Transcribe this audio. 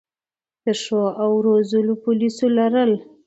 د ښو او روزلو پولیسو لرل